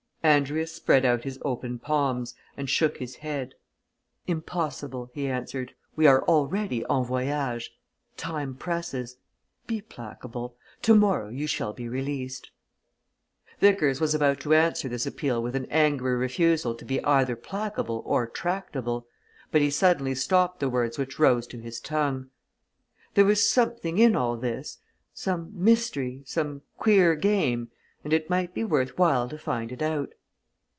Andrius spread out his open palms and shook his head "Impossible!" he answered. "We are already en voyage. Time presses. Be placable tomorrow you shall be released." Vickers was about to answer this appeal with an angry refusal to be either placable or tractable, but he suddenly stopped the words which rose to his tongue. There was something in all this some mystery, some queer game, and it might be worth while to find it out.